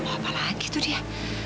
apa lagi tuh dia